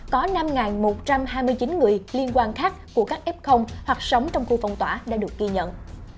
có năm một trăm hai mươi chín người liên quan khác của các f hoặc sống trong khu phong tỏa đã được ghi nhận